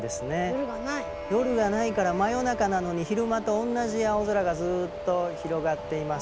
夜がないから真夜中なのに昼間とおんなじ青空がずっと広がっています。